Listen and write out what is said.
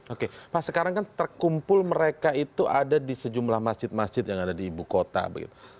oke mas sekarang kan terkumpul mereka itu ada di sejumlah masjid masjid yang ada di ibu kota begitu